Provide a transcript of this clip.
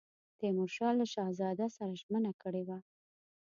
تیمورشاه له شهزاده سره ژمنه کړې وه.